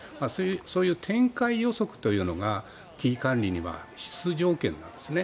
そういう展開予測というのが危機管理には必須条件なんですね。